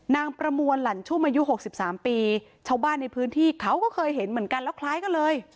ประมวลหลั่นชุ่มอายุ๖๓ปีชาวบ้านในพื้นที่เขาก็เคยเห็นเหมือนกันแล้วคล้ายกันเลย